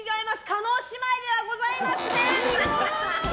叶姉妹ではございません。